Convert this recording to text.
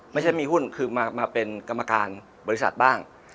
ไม่ใช่มีหุ้นคือมาเป็นกรรมการบริษัทบ้าง